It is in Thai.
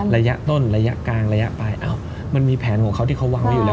ระยะต้นระยะกลางระยะปลายมันมีแผนของเขาที่เขาวางไว้อยู่แล้ว